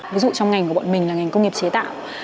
ví dụ trong ngành của bọn mình là ngành công nghiệp chế tạo